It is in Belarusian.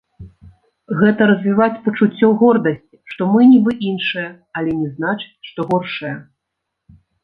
Гэта развіваць пачуццё гордасці, што мы нібы іншыя, але не значыць, што горшыя.